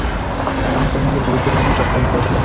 তারা মুসলমানদের বিরুদ্ধে বিভিন্ন চক্রান্ত করেছিল।